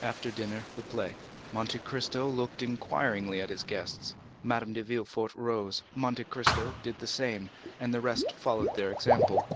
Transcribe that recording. After dinner, the play." Monte Cristo looked inquiringly at his guests. Madame de Villefort rose, Monte Cristo did the same, and the rest followed their example.